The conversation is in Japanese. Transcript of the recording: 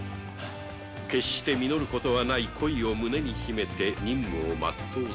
決して実ることはない恋を胸に秘めて任務を全うする